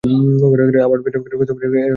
আবার বেজায় গরম দেশ, এক দমে লোটা-ভর জল খাওয়া চাই।